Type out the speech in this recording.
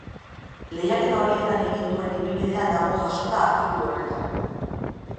Lehiaketa horietan egin duen ibilbidea dago jasota artikulu honetan.